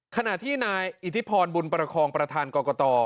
ขณะที่นายอิทธิพรบุญประคองประธานกรกต